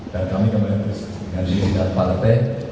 dan kami kemarin berbincang dengan pak lete